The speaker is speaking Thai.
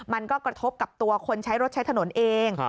มันก็กระทบกับตัวคนใช้รถใช้ถนนเอง